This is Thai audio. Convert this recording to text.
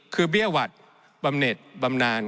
คือเบี้ยหวัดบำเน็ตบำนาน